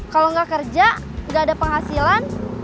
kalau gak kerja gak ada penghasilan